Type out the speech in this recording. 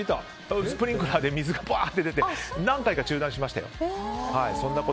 スプリンクラーから水が出て何回か中断しましたよ。